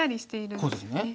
こうですね。